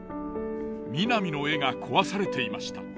みなみの絵が壊されていました。